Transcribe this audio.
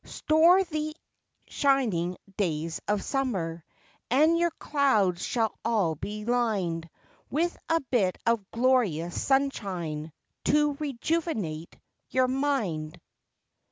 "Store" the shining days of "Summer" And your clouds shall all be lined With a bit of glorious sunshine To "rejuvenate" your mind.